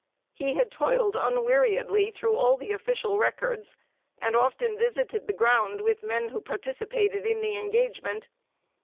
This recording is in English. He had toiled unweariedly through all the official records, and often visited the ground with men who participated in the engagement.